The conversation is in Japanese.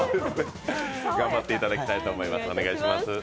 頑張っていただきたいと思います。